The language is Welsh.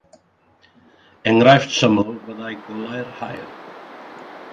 Enghraifft syml fyddai golau'r haul.